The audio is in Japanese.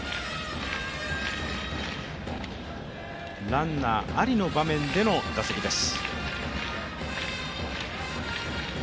ランナーありの場面での打席です。